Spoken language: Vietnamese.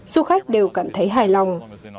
du khách đều cảm thấy hài lòng